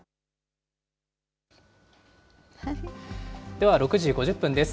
では６時５０分です。